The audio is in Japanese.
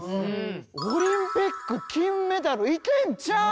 オリンピック金メダルいけんちゃう？